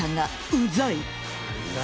うざい？